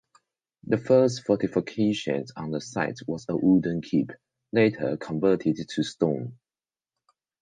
The first fortification on the site was a wooden keep, later converted to stone.